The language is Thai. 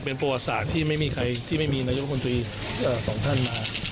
เป็นประวัติศาสตร์ที่ไม่มีใครที่ไม่มีนายกมนตรีสองท่านมา